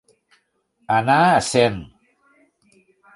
Anar a cent.